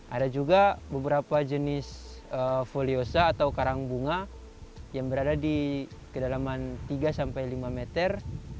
ada juga beberapa jenis foliosa atau karang bunga yang berada di kedalaman tiga sampai lima meter